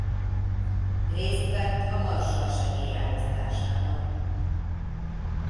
Részt vett a Marshall-segély elosztásában.